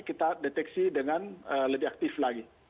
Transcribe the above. kita deteksi dengan lebih aktif lagi